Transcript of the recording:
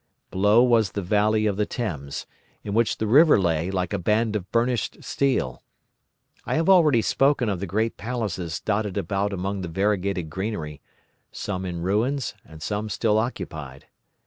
Below was the valley of the Thames, in which the river lay like a band of burnished steel. I have already spoken of the great palaces dotted about among the variegated greenery, some in ruins and some still occupied.